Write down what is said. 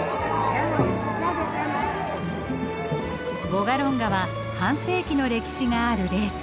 ヴォガロンガは半世紀の歴史があるレース。